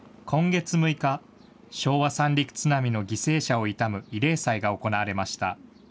今月６日、昭和三陸津波の犠牲者を悼む慰霊祭が行われました。